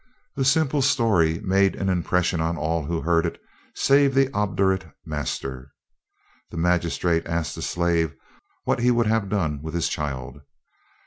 The simple story made an impression on all who heard it save the obdurate master. The magistrate asked the slave what he would have done with his child.